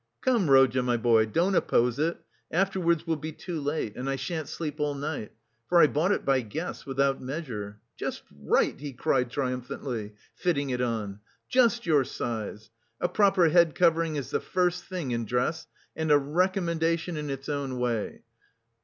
"Come, Rodya, my boy, don't oppose it, afterwards will be too late; and I shan't sleep all night, for I bought it by guess, without measure. Just right!" he cried triumphantly, fitting it on, "just your size! A proper head covering is the first thing in dress and a recommendation in its own way.